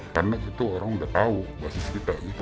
karena itu orang udah tahu basis kita gitu